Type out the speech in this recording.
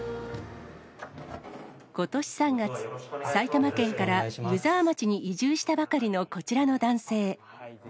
ことし３月、埼玉県から湯沢町に移住したばかりのこちらの男性。